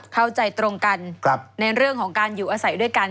เข้าใจตรงกันในเรื่องของการอยู่อาศัยด้วยกัน